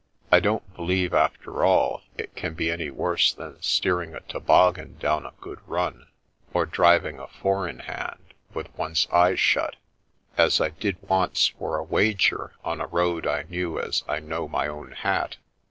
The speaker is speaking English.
" I don't believe, after all, it can be any worse than steering a toboggan down a good run, or driving a four in hand with one's eyes shut, as I did once for a wager on a road I knew as I knew my own hat."